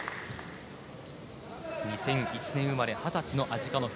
２００１年生まれ２０歳のアジカノフ。